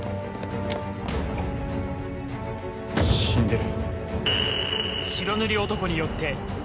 死んでる。